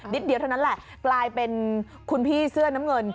เดียวเท่านั้นแหละกลายเป็นคุณพี่เสื้อน้ำเงิน